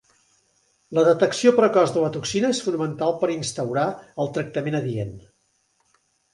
La detecció precoç de la toxina és fonamental per instaurar el tractament adient.